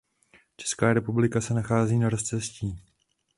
Česká republika se nachází na rozcestí.